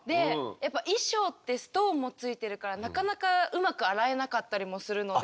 衣装ってストーンもついてるからなかなかうまく洗えなかったりもするので。